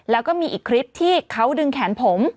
แล้วก็มีอีกคลิปที่เขาดึงแขนผม